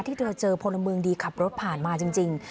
ที่เธอเจอพลเมืองดีขับรถผ่านมาจริง